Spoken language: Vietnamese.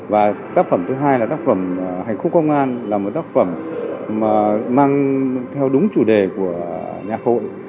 và tác phẩm thứ hai là tác phẩm hành khúc công an là một tác phẩm mà mang theo đúng chủ đề của nhạc hội